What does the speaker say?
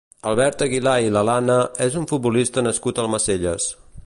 Albert Aguilà i Lalana és un futbolista nascut a Almacelles.